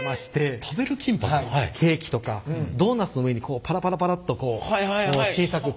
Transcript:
ケーキとかドーナツの上にパラパラパラっと小さく粒状で。